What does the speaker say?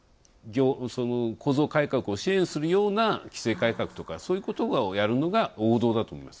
構造改革を支援するような規制改革とかそういうことをやるのが王道だと思います。